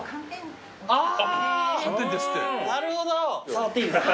触っていいですか？